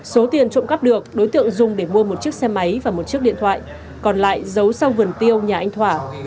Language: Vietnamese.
số tiền trộm cắp được đối tượng dùng để mua một chiếc xe máy và một chiếc điện thoại còn lại giấu sau vườn tiêu nhà anh thỏa